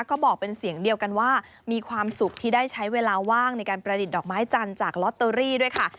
ก็บอกเป็นเสียงเดียวกันว่ามีความสุขที่ได้ใช้เวลาว่างในการประดิษฐดอกไม้จันทร์จากลอตเตอรี่ด้วยค่ะ